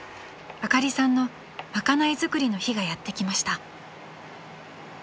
［あかりさんの賄い作りの日がやって来ました］